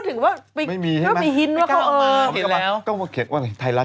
ใช่ในตอนแรกจะเอารูปลื้มมาแล้วแล้วเราคิดครับ